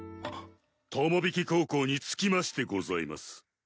友引高校に着きましてございます。